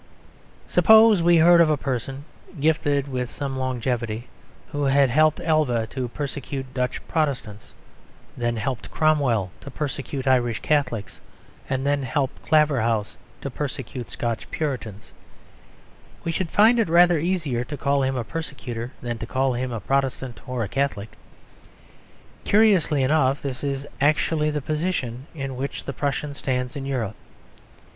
Suppose we heard of a person (gifted with some longevity) who had helped Alva to persecute Dutch Protestants, then helped Cromwell to persecute Irish Catholics, and then helped Claverhouse to persecute Scotch Puritans, we should find it rather easier to call him a persecutor than to call him a Protestant or a Catholic. Curiously enough this is actually the position in which the Prussian stands in Europe.